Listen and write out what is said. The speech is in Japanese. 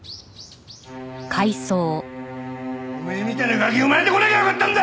おめえみたいなガキ生まれてこなきゃよかったんだ！